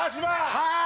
はい。